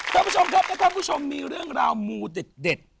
ท่านผู้ชมครับและท่านผู้ชมมีเรื่องราวมูเด็ด